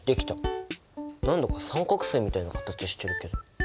何だか三角すいみたいな形してるけど。